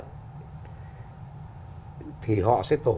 thế và khi chiến dịch điện biên thắng lợi